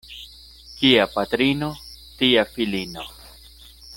Kia patrino, tia filino.